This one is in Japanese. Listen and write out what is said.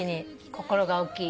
心が大きい。